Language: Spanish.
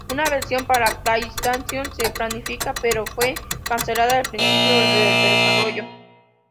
Una versión para PlayStation se planifica pero fue cancelada al principio del desarrollo.